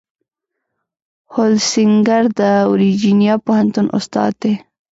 هولسینګر د ورجینیا پوهنتون استاد دی.